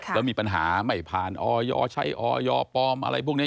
แล้วมีปัญหาไม่ผ่านออยใช้ออยปลอมอะไรพวกนี้